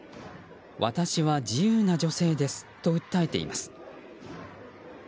私は自由な女性ですと訴えています。